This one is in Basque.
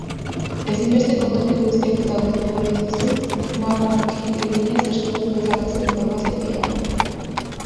Ezinbesteko toki guztiak ezagutu nahi badituzu, mapan klik eginez eskuratu dezakezu informazio gehiago.